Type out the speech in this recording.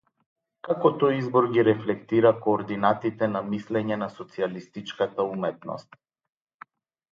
Како тој избор ги рефлектира координатите на мислење на социјалистичката уметност?